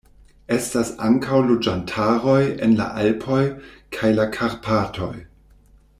Estas ankaŭ loĝantaroj en la Alpoj kaj la Karpatoj.